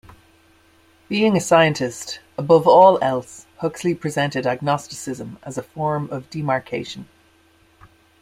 Being a scientist, above all else, Huxley presented agnosticism as a form of demarcation.